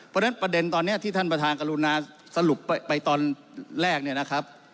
เพราะฉะนั้นประเด็นตอนนี้ที่ท่านประธานกรุณาสรุปไปตอนแรกเนี่ยนะครับ